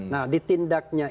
nah ditindaknya itu